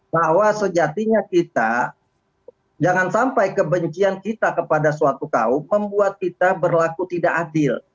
bahwa sejatinya kita jangan sampai kebencian kita kepada suatu kaum membuat kita berlaku tidak adil